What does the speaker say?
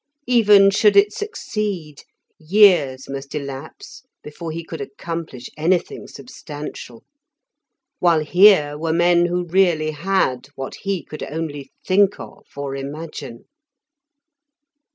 Even should it succeed, years must elapse before he could accomplish anything substantial; while here were men who really had what he could only think of or imagine.